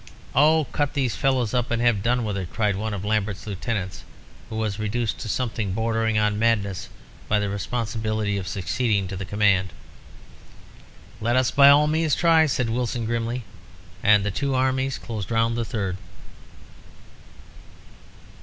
"'Oh, cut these fellows up and have done with it!' cried one of Lambert's lieutenants, who was reduced to something bordering on madness by the responsibility of succeeding to the command. "'Let us by all means try,' said Wilson, grimly; and the two armies closed round the third.